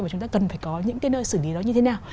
và chúng ta cần phải có những cái nơi xử lý đó như thế nào